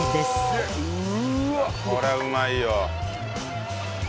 こりゃうまいよ。